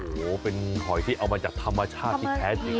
โอ้โหเป็นหอยที่เอามาจากธรรมชาติที่แท้จริง